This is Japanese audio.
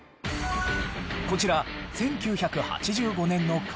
こちら１９８５年の幹線道路。